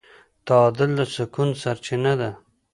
تعادل د سکون سرچینه ده.